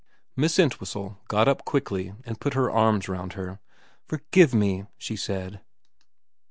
Miss Entwhistle got up quickly and put her arms round her. ' Forgive me,' she said.